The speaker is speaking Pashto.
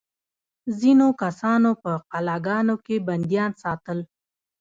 ځینو کسانو په قلعه ګانو کې بندیان ساتل.